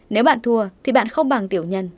nếu bạn thua thì bạn không bằng tiểu nhân